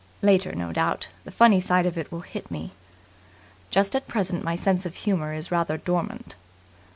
"Later, no doubt, the funny side of it will hit me. Just at present my sense of humour is rather dormant."